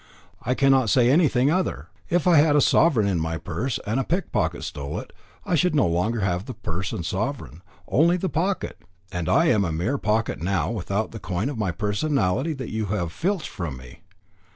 "I cannot say anything other. If I had a sovereign in my purse, and a pickpocket stole it, I should no longer have the purse and sovereign, only the pocket; and I am a mere pocket now without the coin of my personality that you have filched from me.